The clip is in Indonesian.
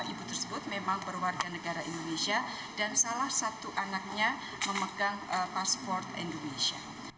ibu tersebut memang berwarga negara indonesia dan salah satu anaknya memegang paspor indonesia